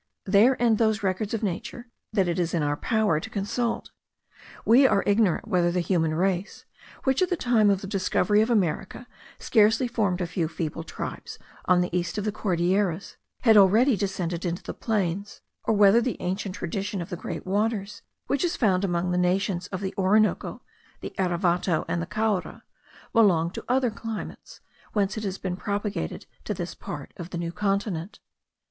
There end those records of nature, that it is in our power to consult. We are ignorant whether the human race, which at the time of the discovery of America scarcely formed a few feeble tribes on the east of the Cordilleras, had already descended into the plains; or whether the ancient tradition of the great waters, which is found among the nations of the Orinoco, the Erevato, and the Caura, belong to other climates, whence it has been propagated to this part of the New Continent.